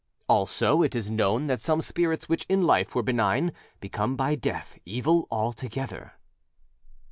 Also, it is known that some spirits which in life were benign become by death evil altogether.